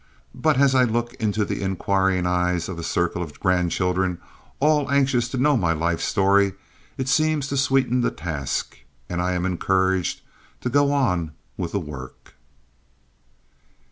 But as I look into the inquiring eyes of a circle of grandchildren, all anxious to know my life story, it seems to sweeten the task, and I am encouraged to go on with the work.